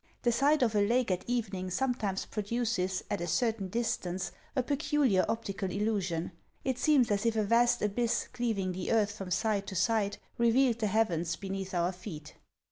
The sight of a lake at evening sometimes produces, at a certain distance, a peculiar opti cal illusion ; it seems as if a vast abyss, cleaving the earth from side to side, revealed the heavens beneath our feet.